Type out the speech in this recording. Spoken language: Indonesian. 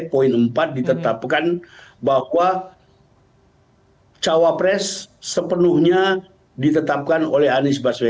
poin empat ditetapkan bahwa cawapres sepenuhnya ditetapkan oleh anies baswedan